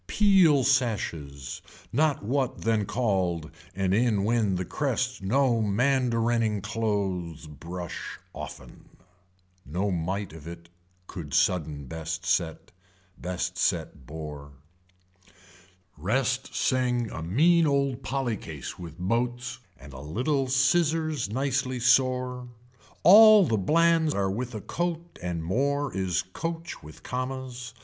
Peel sashes not what then called and in when the crest no mandarining clothes brush often. No might of it could sudden best set. Best set boar. Rest sing a mean old polly case with boats and a little scissors nicely sore. All the blands are with a coat and more is coach with commas.